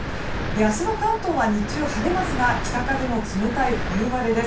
明日の関東は日中晴れますが北風の冷たい冬晴れです。